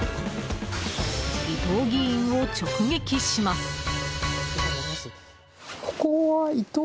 伊藤議員を直撃します。